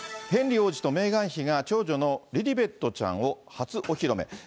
ヘンリー王子とメーガン妃が長女のリリベットちゃんを初お披露目。